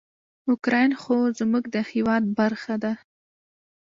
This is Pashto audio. اوکراین خو زموږ د هیواد برخه ده.